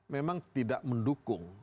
memang tidak mendukung